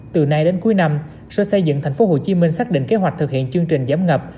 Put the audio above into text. từ nay đến cuối năm sở xây dựng tp hcm xác định kế hoạch thực hiện chương trình giảm ngập